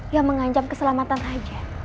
yang mengancam keselamatan raja